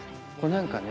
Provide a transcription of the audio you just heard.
何かね